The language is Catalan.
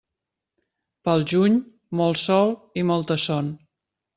Pel juny, molt sol i molta son.